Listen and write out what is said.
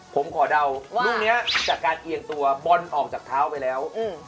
ผมคอเด่าว่ารุ่งเนี่ยจากการเองตัวบอนออกจากเท้าไปแล้ว